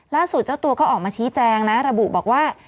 เจ้าตัวก็ออกมาชี้แจงนะระบุบอกว่า